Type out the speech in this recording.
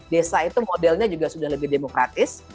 desa itu modelnya juga sudah lebih demokratis